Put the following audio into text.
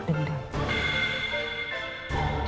ya biar ini jadi masalah saya mbak